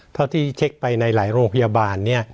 เท่าที่เช็คไปในหลายโรงพยาบาลเนี่ย